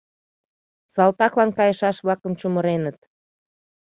Салтаклан кайышаш-влакым чумыреныт.